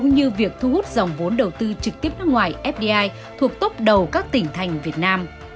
như việc thu hút dòng vốn đầu tư trực tiếp nước ngoài fdi thuộc tốc đầu các tỉnh thành việt nam